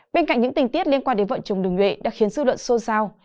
bên cạnh những tình tiết liên quan đến vận chồng đường nguyễn đã khiến dư luận sô sao